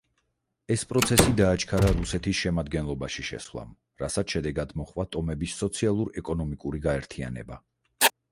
ეს პროცესი დააჩქარა რუსეთის შემადგენლობაში შესვლამ, რასაც შედეგად მოჰყვა ტომების სოციალურ-ეკონომიკური გაერთიანება.